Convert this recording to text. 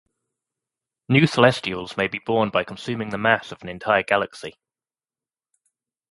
New Celestials may be born by consuming the mass of an entire galaxy.